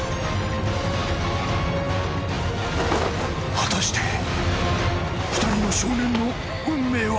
［果たして２人の少年の運命は⁉］